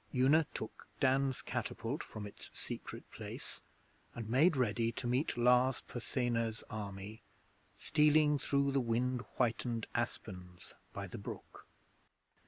Una took Dan's catapult from its secret place, and made ready to meet Lars Porsena's army stealing through the wind whitened aspens by the brook.